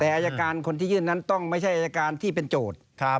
แต่อายการคนที่ยื่นนั้นต้องไม่ใช่อายการที่เป็นโจทย์